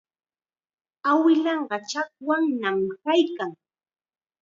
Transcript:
Awilanqa chakwannam kaykan.